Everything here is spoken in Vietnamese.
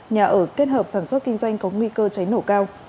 nhà ở kết hợp sản xuất kinh doanh có nguy cơ cháy nổ cao